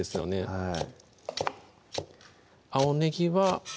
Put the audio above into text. はい